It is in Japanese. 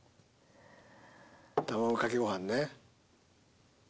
卵かけごはんね。